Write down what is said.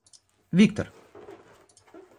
Виктор